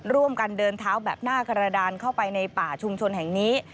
ร่วมกันเดินเท้าแบบหน้ากระดานเข้าไปในป่าชุมชนแห่งนี้